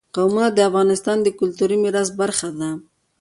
قومونه د افغانستان د کلتوري میراث برخه ده.